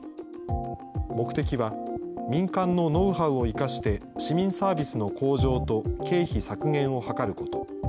目的は、民間のノウハウを生かして、市民サービスの向上と経費削減を図ること。